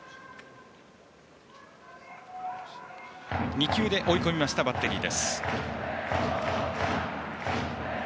２球で追い込んだバッテリー。